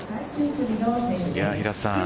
平瀬さん